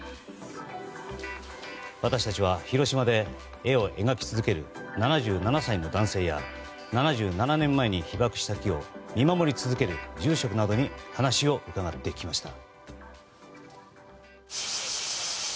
私たちは広島で絵を描き続ける７７歳の男性や７７年前に被爆した木を見守り続ける住職などに話を伺ってきました。